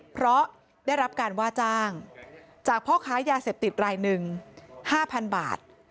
เพราะได้รับการว่าจ้างจากพ่อค้ายาเสพติดรายหนึ่ง๕๐๐๐บาท